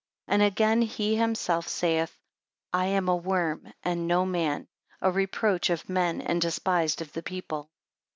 15 And again he himself saith, I am a worm and no man, a reproach of men, and despised of the people.